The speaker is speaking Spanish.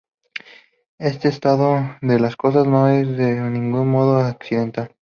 Este estado de las cosas no es de ningún modo accidental.